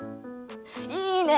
いいね！